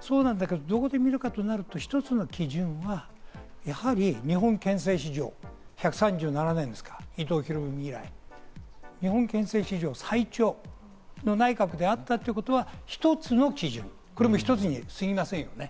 そうなんだけど、どこで見るかとなると、一つの基準はやはり日本憲政史上１３７年ですか、伊藤博文以来、日本憲政史上最長の内閣であったということは一つの基準、これも一つにすぎませんよね。